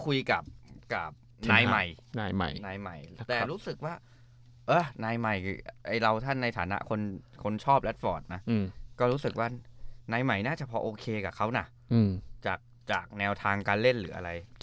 เราต้องคุยกับนายใหม่แต่รู้สึกว่านายใหม่ในฐานะคนชอบลัดฟอร์ดก็รู้สึกว่านายใหม่น่าจะพอโอเคกับเขาจากแนวทางการเล่นหรืออะไร